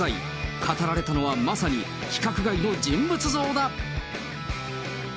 語られたのはまさに規格外の人物像だ。